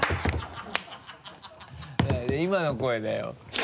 今の声だよ。